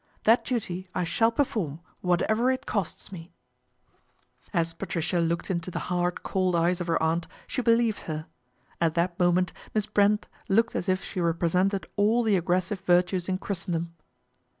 That duty I shall perform whatever it costs me." 88 PATRICIA BRENT, SPINSTER As Patricia looked into the hard, cold eyes ol her aunt, she believed her. At that moment Miss Brent looked as if she represented all the aggres sive virtues in Christendom.